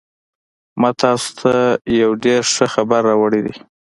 ما تاسو ته یو ډېر ښه خبر راوړی دی